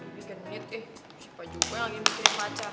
bebi genit ih si pajuk gue lagi mikirin pacar